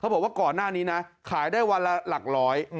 บอกว่าก่อนหน้านี้นะขายได้วันละหลักร้อย